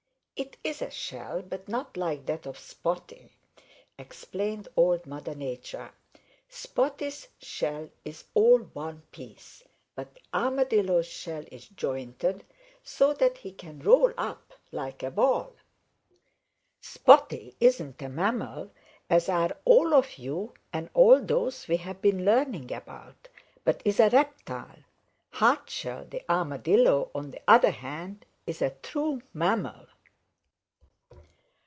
"It is a shell, but not like that of Spotty," explained Old Mother Nature. "Spotty's shell is all one piece, but the Armadillo's shell is jointed, so that he can roll up like a ball. Spotty isn't a mammal, as are all of you and all those we have been learning about, but is a reptile. Hardshell the Armadillo, on the other hand, is a true mammal."